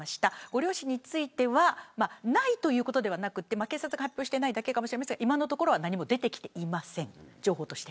ご両親については警察が発表していないだけかもしれませんが今のところ情報は何も出てきていません。